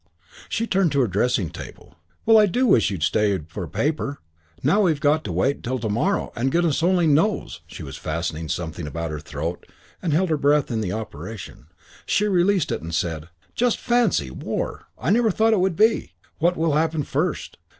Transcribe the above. She turned to her dressing table. "Well, I do wish you'd stayed for a paper. Now we've got to wait till to morrow and goodness only knows " She was fastening something about her throat and held her breath in the operation. She released it and said, "Just fancy, war! I never thought it would be. What will happen first?